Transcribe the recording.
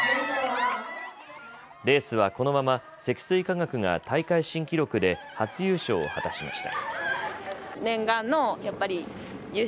レースはこのまま積水化学が大会新記録で初優勝を果たしました。